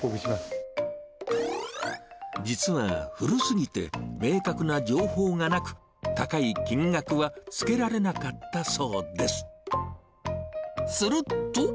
実は古すぎて、明確な情報がなく、高い金額はつけられなかったそうです。